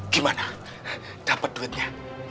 gimana dapet duitnya